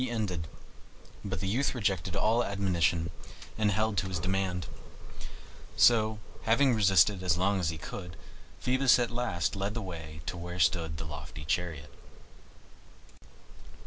He ended; but the youth rejected all admonition and held to his demand. So, having resisted as long as he could, Phoebus at last led the way to where stood the lofty chariot.